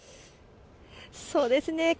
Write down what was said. そうですね。